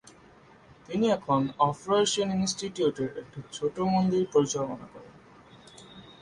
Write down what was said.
তিনি এখন আফ্রো-এশিয়ান ইনস্টিটিউটের একটি ছোট মন্দির পরিচালনা করেন।